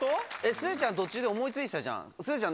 すずちゃん、途中で思いついてたじゃん。